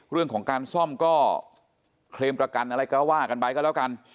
เรื่องของการซ่อมก็เคลมประกันอะไรก็ว่ากันไปก็แล้วกัน